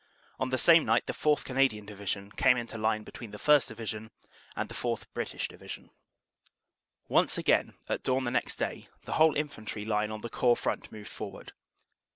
On the same night the 4th. Canadian Division came into line between the 1st. Division and the 4th. British Division. "Once again, at dawn the next day, the whole infantry line on the Corps front moved forward.